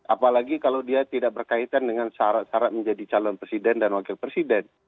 apalagi kalau dia tidak berkaitan dengan syarat syarat menjadi calon presiden dan wakil presiden